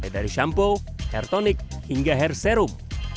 dari shampoo hair tonic hingga hair serum